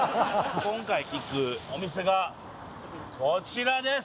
今回行くお店がこちらです！